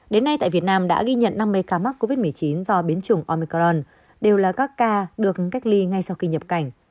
đến nay tại việt nam đã ghi nhận năm mươi ca mắc covid một mươi chín do biến chủng omicron đều là các ca được cách ly ngay sau khi nhập cảnh